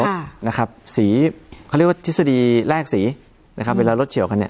อ่านะครับสีเขาเรียกว่าทฤษฎีแลกสีนะครับเวลารถเฉียวกันเนี้ย